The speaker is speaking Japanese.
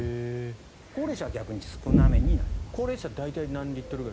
高齢者は逆に少なめになります。